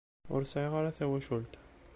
Ur sɛiɣ ara tawacult.